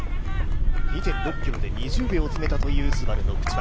２．６ｋｍまで２０秒を詰めたというＳＵＢＡＲＵの口町。